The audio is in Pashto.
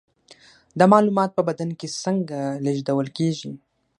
دا معلومات په بدن کې څنګه لیږدول کیږي